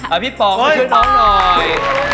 เอาพี่ป๋องมาช่วยน้องหน่อย